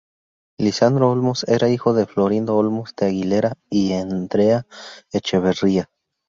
Lisandro Olmos era hijo de Florindo Olmos de Aguilera y de Andrea Echeverría.